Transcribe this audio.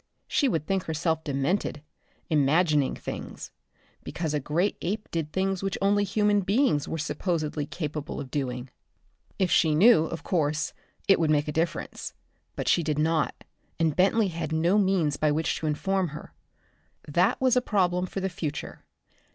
She would think herself demented, imagining things, because a great ape did things which only human beings were supposedly capable of doing. If she knew, of course, it would make a difference. But she did not, and Bentley had no means by which to inform her. That was a problem for the future.